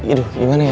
aduh gimana ya